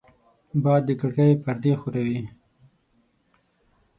باد د کړکۍ پردې ښوروي